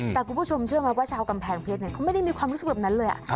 แต่คุณผู้ชมเชื่อไหมว่าชาวกำแพงเพชรเขาไม่ได้มีความรู้สึกแบบนั้นเลย